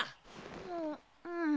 ううん。